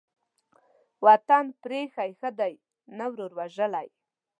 وطن پرې ايښى ښه دى ، نه ورور وژلى.